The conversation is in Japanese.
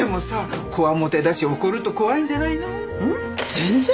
全然。